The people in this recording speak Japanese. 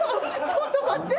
ちょっと待って！